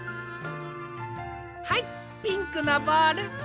はいピンクのボール。